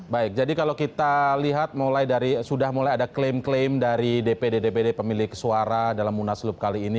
baik jadi kalau kita lihat sudah mulai ada klaim klaim dari dpd dpd pemilik suara dalam munaslup kali ini